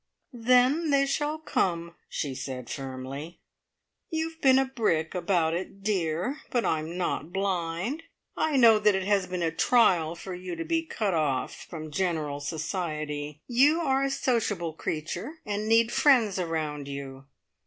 "Then they shall come," she said firmly. "You've been a brick about it, dear, but I'm not blind. I know that it has been a trial for you to be cut off from general society. You are a sociable creature, and need friends around you.